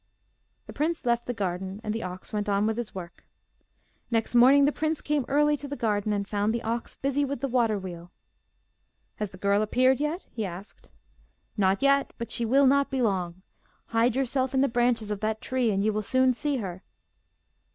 The prince left the garden, and the ox went on with his work. Next morning the prince came early to the garden, and found the ox busy with the waterwheel. 'Has the girl appeared yet?' he asked. 'Not yet; but she will not be long. Hide yourself in the branches of that tree, and you will soon see her.